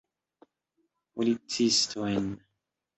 Policistojn.